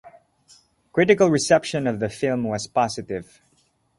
Critical reception of the film was positive.